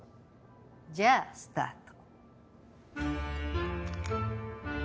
じゃあスタート。